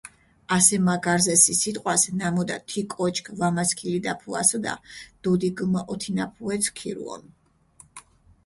ასე მა გარზე სი სიტყვას, ნამუდა თი კოჩქ ვამასქილიდაფუასჷდა, დუდი გჷმოჸოთინაფუე სქირუონ.